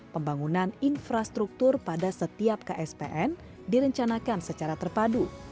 pembangunan infrastruktur pada setiap kspn direncanakan secara terpadu